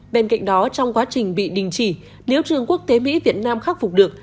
bên cạnh đó trong quá trình bị đình chỉ nếu trường quốc tế mỹ việt nam khắc phục được